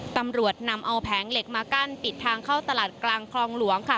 ตำรวจนำเอาแผงเหล็กมากั้นปิดทางเข้าตลาดกลางคลองหลวงค่ะ